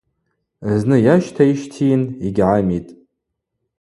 Зны йащтайщтийын – йгьгӏамитӏ.